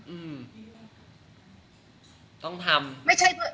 อืมต้องทำ